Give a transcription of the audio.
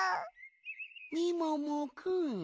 みももくん。